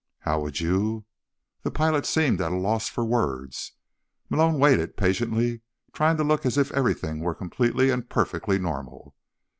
"How would you—" The pilot seemed at a loss for words. Malone waited patiently, trying to look as if everything were completely and perfectly normal.